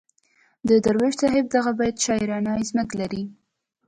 د درویش صاحب دغه بیت شاعرانه عظمت لري.